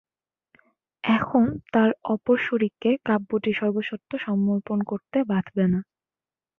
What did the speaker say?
এখন তার অপর শরিককে কাব্যটির সর্বস্বত্ব সমর্পণ করতে বাধবে না।